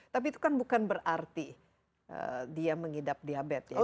tapi itu kan bukan berarti dia mengidap diabetes ya